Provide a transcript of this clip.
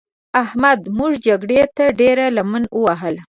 احمد موږ جګړې ته ډېره لمن ووهل.